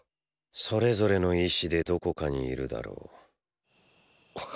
それぞれの意志でどこかにいるだろう。っ。